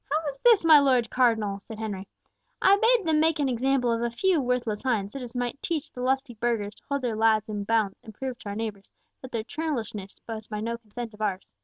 "How is this, my Lord Cardinal?" said Henry; "I bade them make an example of a few worthless hinds, such as might teach the lusty burghers to hold their lads in bounds and prove to our neighbours that their churlishness was by no consent of ours."